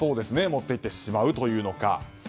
持っていってしまうというのか。